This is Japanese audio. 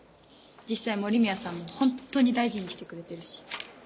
実際森宮さんもホントに大事にしてくれてるし。